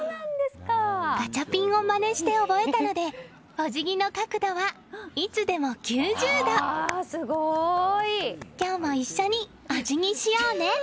ガチャピンのまねをして覚えたのでおじぎの角度はいつでも９０度。今日も一緒におじぎしようね！